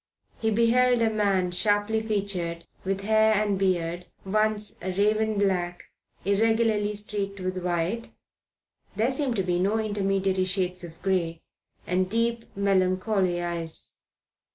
He beheld a man sharply featured, with hair and beard, once raven black, irregularly streaked with white there seemed to be no intermediary shades of grey and deep melancholy eyes.